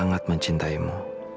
aku sangat mencintaimu